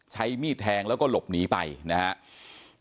ใช้มีดแทงแล้วก็หลบหนีไปนะครับ